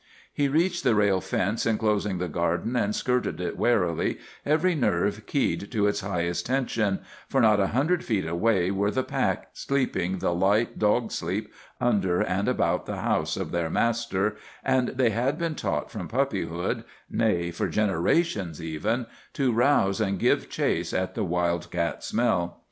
He reached the rail fence enclosing the garden and skirted it warily, every nerve keyed to its highest tension, for not a hundred feet away were the pack, sleeping the light dog sleep under and about the house of their master, and they had been taught from puppyhood—nay, for generations even—to rouse and give chase at the wild cat smell.